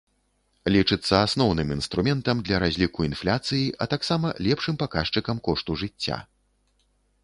Лічыцца асноўным інструментам для разліку інфляцыі, а таксама лепшым паказчыкам кошту жыцця.